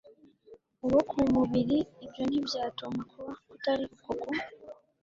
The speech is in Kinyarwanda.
uwo ku mubiri ibyo ntibyatuma kuba kutari uko ku